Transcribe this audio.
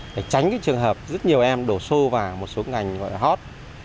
để tránh trường hợp rất nhiều em đổ xô vào một số ngành hot